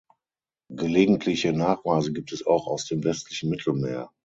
Gelegentliche Nachweise gibt es auch aus dem westlichen Mittelmeer.